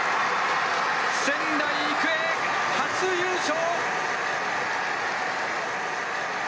仙台育英初優勝。